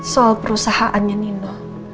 soal perusahaannya nino